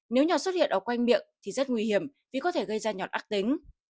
nếu nhọn xuất hiện ở quanh miệng thì rất nguy hiểm vì có thể gây ra nhọt ác tính